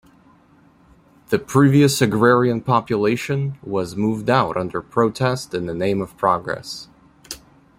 The previous agrarian population was moved out under protest in the name of progress.